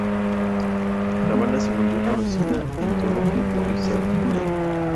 La banda se volvió conocida en todo Provo y Salt Lake.